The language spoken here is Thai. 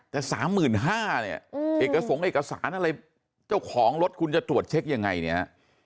แต่๓๕๐๐เนี่ยเอกสงค์เอกสารอะไรเจ้าของรถคุณจะตรวจเช็คยังไงเนี่ย